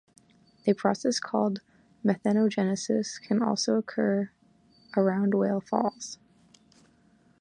A process called methanogenesis can also occur around whale falls.